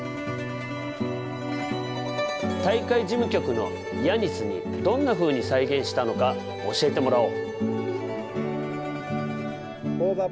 大会事務局のヤニスにどんなふうに再現したのか教えてもらおう。